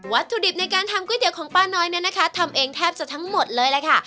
ถุดิบในการทำก๋วยเตี๋ยวของป้าน้อยเนี่ยนะคะทำเองแทบจะทั้งหมดเลยล่ะค่ะ